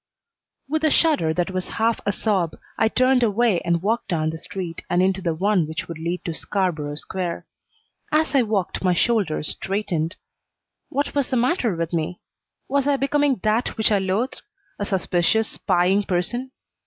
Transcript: With a shudder that was half a sob I turned away and walked down the street and into the one which would lead to Scarborough Square. As I walked my shoulders straightened. What was the matter with me? Was I becoming that which I loathed a suspicious, spying person?